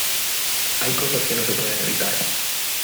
hay cosas que no se pueden evitar